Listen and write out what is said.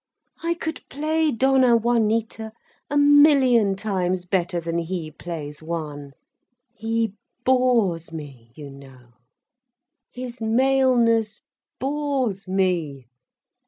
I could play Dona Juanita a million times better than he plays Juan. He bores me, you know. His maleness bores me.